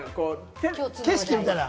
景色みたいな。